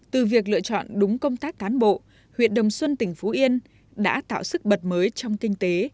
từ việc lựa chọn đúng công tác cán bộ huyện đồng xuân tỉnh phú yên đã tạo sức bật mới trong kinh tế